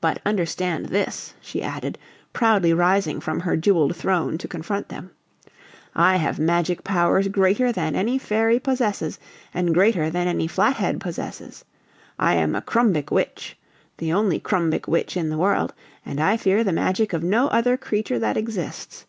But understand this," she added, proudly rising from her jeweled throne to confront them, "I have magic powers greater than any fairy possesses, and greater than any Flathead possesses. I am a Krumbic Witch the only Krumbic Witch in the world and I fear the magic of no other creature that exists!